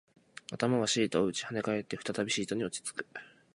頭はシートを打ち、跳ね返って、再びシートに落ち着く